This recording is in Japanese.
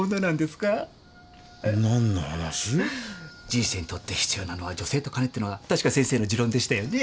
「人生にとって必要なのは女性と金」ってのが確か先生の持論でしたよね？